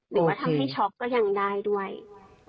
หรือว่าทำให้ช็อกก็ยังได้ด้วย